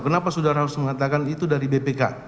kenapa saudara harus mengatakan itu dari bpk